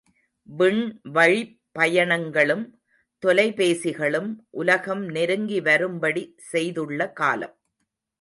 விண்வழிப் பயணங்களும், தொலை பேசிகளும் உலகம் நெருங்கி வரும்படி செய்துள்ள காலம்.